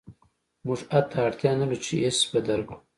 موږ حتی اړتیا نلرو چې ایس بدل کړو